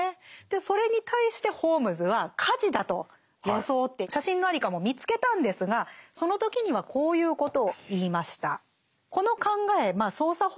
それに対してホームズは火事だと装って写真の在りかも見つけたんですがその時にはこういうことを言いました。